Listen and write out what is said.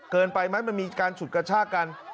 เกินไปไหมมันมีการฉุดกระชากกัน